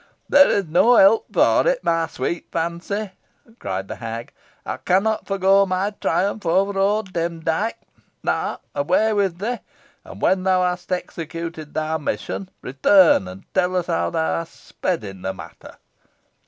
"There is no help for it, my sweet Fancy," cried the hag. "I cannot forego my triumph over old Demdike. Now, away with thee, and when thou hast executed thy mission, return and tell us how thou hast sped in the matter."